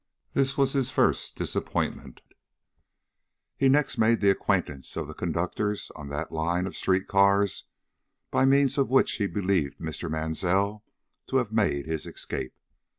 This was his first disappointment. He next made the acquaintance of the conductors on that line of street cars by means of which he believed Mr. Mansell to have made his escape.